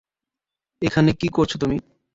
এখানে কী করছ তুমি?